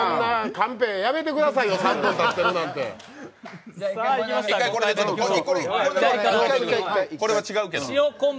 カンペやめてくださいよ３分たってるなんておしんこ２。